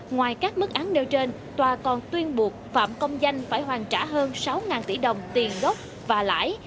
ngoài các mức án nêu trên tòa còn tuyên buộc phạm công danh phải hoàn trả hơn sáu tỷ đồng tiền gốc và lãi